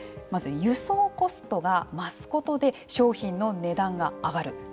まず輸送コストが増すことで商品の値段が上がる。